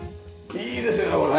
いいですよねこれね。